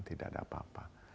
tidak ada apa apa